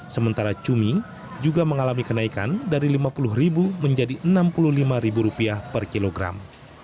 sementara cumi juga mengalami kenaikan dari rp lima puluh menjadi rp enam puluh lima per kilogram